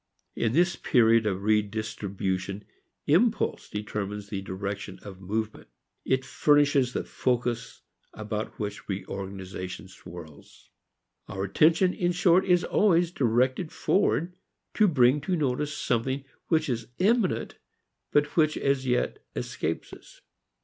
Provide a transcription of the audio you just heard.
In this period of redistribution impulse determines the direction of movement. It furnishes the focus about which reorganization swirls. Our attention in short is always directed forward to bring to notice something which is imminent but which as yet escapes us.